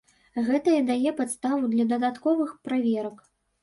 Гэта і дае падставу для дадатковых праверак.